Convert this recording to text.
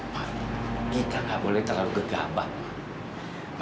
ma kita gak boleh terlalu gegabat ma